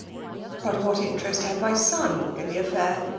" But what interest had my son in the af fidr